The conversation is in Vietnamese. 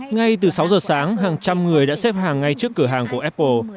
ngay từ sáu giờ sáng hàng trăm người đã xếp hàng ngay trước cửa hàng của apple